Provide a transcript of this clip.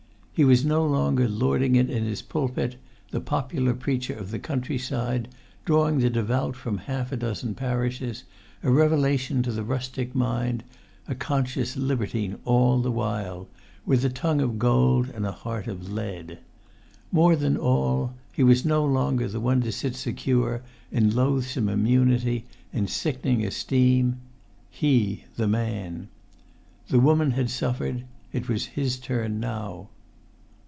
He was no longer lording it in his pulpit, the popular preacher of the countryside, drawing the devout from half a dozen parishes, a revelation to the rustic mind, a conscious libertine all the while, with a tongue of gold and a heart of lead. More than all, he was no longer the one to sit secure, in loathsome immunity, in sickening esteem: he, the man! The woman had suffered; it was his turn now.